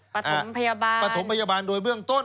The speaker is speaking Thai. ประถมพยาบาลปฐมพยาบาลโดยเบื้องต้น